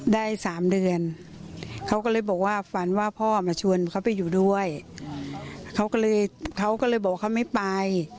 ได้สามเดือนเขาก็เลยบอกว่าฝันว่าพ่อมาชวนเขาไปอยู่ด้วยเขาก็เลยเขาก็เลยบอกเขาไม่ไป